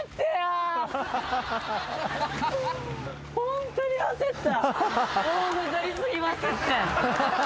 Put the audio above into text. ホントに焦った。